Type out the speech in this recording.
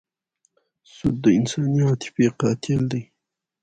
سود د انساني عاطفې قاتل دی.